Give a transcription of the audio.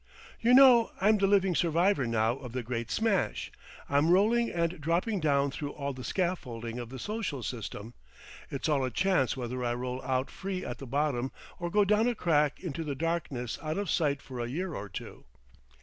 "You know I'm the living survivor now of the great smash. I'm rolling and dropping down through all the scaffolding of the social system.... It's all a chance whether I roll out free at the bottom, or go down a crack into the darkness out of sight for a year or two."